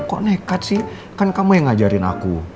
kok nekat sih kan kamu yang ngajarin aku